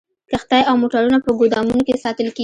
کښتۍ او موټرونه په ګودامونو کې ساتل کیږي